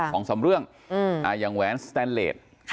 สองสามเรื่องอย่างแหวนสแตนเลส